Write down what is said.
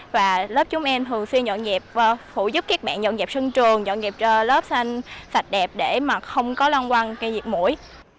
và lớp chúng em thường xuyên dọn dẹp phủ giúp các bạn dọn dẹp sân trường dọn dẹp lớp xanh sạch đẹp để mà không có lan quăng diệt mũi